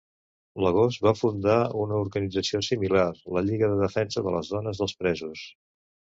L'agost va fundar una organització similar, la Lliga de defensa de les Dones dels Presos.